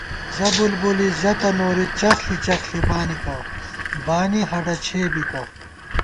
ژہ بُلبُلی ژَہ تہ نوری چغݪی چغݪی بانِکہ ، بانی ہڈہ چھے بِکہ